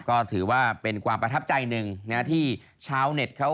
ก็ถือว่าเป็นความประทับใจหนึ่งนะที่ชาวเน็ตเขา